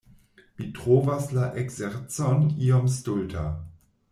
Mi trovas la ekzercon iom stulta.